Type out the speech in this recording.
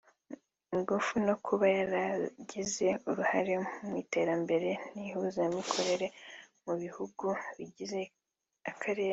ingufu no kuba yaragize uruhare mu iterambere n’ihuzamikorere mu bihugu bigize akarere